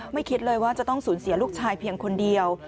คิดเลยว่าจะต้องสูญเสียลูกชายเพียงคนเดียว